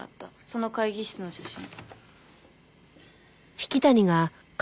その会議室の写真。